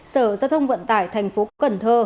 sở gia thông vận tải thành phố cần thơ